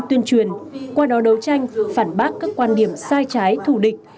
đảng tuyên truyền qua đó đấu tranh phản bác các quan điểm sai trái thủ địch